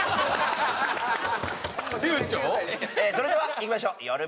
それではいきましょうよる